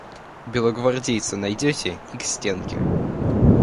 Белогвардейца найдете – и к стенке.